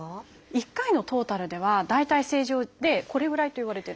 １回のトータルでは大体正常でこれぐらいといわれてるんです。